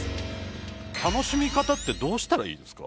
楽しみ方ってどうしたらいいですか？